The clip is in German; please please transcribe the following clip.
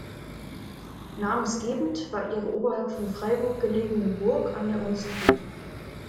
Namensgebend war ihre oberhalb von Freyburg gelegene Burg an der Unstrut.